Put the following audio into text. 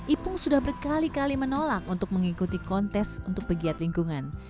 ipung sudah berkali kali menolak untuk mengikuti kontes untuk pegiat lingkungan